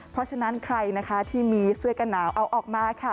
เพราะฉะนั้นใครนะคะที่มีเสื้อกันหนาวเอาออกมาค่ะ